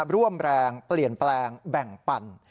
ร่วมแรงเปลี่ยนแปลงแบ่งปั่น